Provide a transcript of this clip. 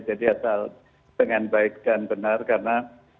jadi asal dengan baik dan benar karena